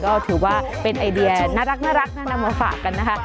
ก็ถือว่าเป็นไอเดียน่ารักน่านำมาฝากกันนะคะ